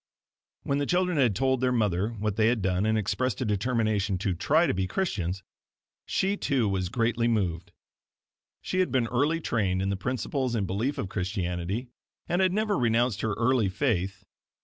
When the children had told their mother what they had done and expressed a determination to try to be Christians; she, too, was greatly moved. She had been early trained in the principles and belief of Christianity, and had never renounced her early faith.